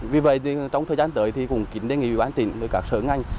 vì vậy thì trong thời gian tới thì cũng kính đề nghị bán tỉnh với các sở ngành